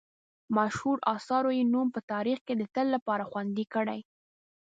مشهورو اثارو یې نوم په تاریخ کې د تل لپاره خوندي کړی.